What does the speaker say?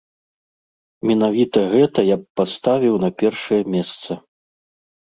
Менавіта гэта я б паставіў на першае месца.